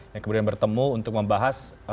yang kemudian bertemu untuk membahas